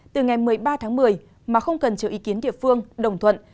từ ngày một mươi ba tháng một mươi mà không cần chờ ý kiến địa phương đồng thuận